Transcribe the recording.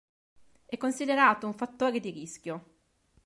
È considerato un fattore di rischio.